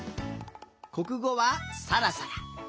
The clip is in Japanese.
こくごはサラサラ。